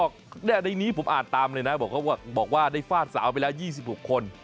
ในนี้ผมอ่านตามเลยนะบอกว่าได้ฟาดสาวไปแล้ว๒๖คน